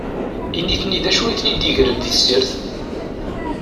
I nutni, d acu i ten-id-igren di tessirt?